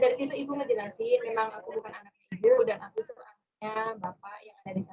dan aku itu anaknya bapak yang ada di kasus ini